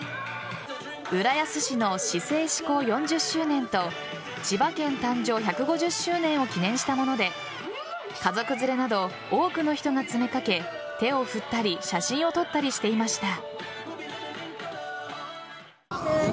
浦安市の市制施行４０周年と千葉県誕生１５０周年を記念したもので家族連れなど多くの人が詰めかけ手を振ったり写真を撮ったりしていました。